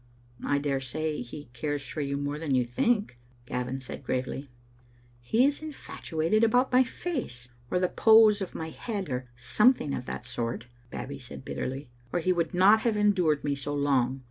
"I dare say he cares for you more than you think," Gavin said gravely. " He is infatuated about my face, or the pose of my head, or something of that sort," Babbie said bitterly, "or he would not have endured me so long.